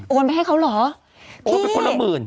โอ๊ะคนละหมื่น